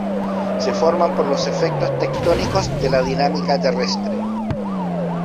Se forman por los efectos tectónicos de la dinámica terrestre.